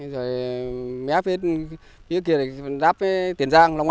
rồi mé phía kia là giáp với tiền giang long an